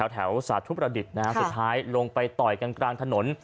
สาธุประดิษฐ์สุดท้ายลงไปต่อยกันกลางถนน